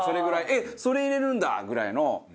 えっそれ入れるんだ！ぐらいの。